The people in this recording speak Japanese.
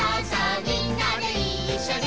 みんなでいっしょに」